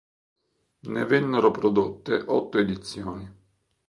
Ne vennero prodotte otto edizioni.